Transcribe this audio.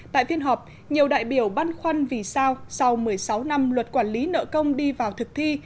tại phiên họp nhiều đại biểu băn khoăn vì sao sau một mươi sáu năm luật quản lý nợ công đi vào thực thi